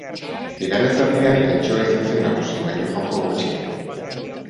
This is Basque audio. Bigarren zatian tentsioa izan zen nagusi, baina joko gutxi.